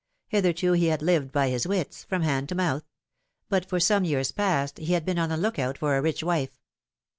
Hitherto he had lived by his wits from hand to mouth ; but for some years past he had been on the look out for a rich wife.